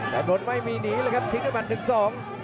กันโดดไม่มีหนีเลยครับทิ้งได้มันหนึ่งสอง